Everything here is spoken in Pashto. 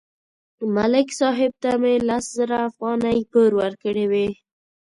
ملک صاحب ته مې لس زره افغانۍ پور ورکړې وې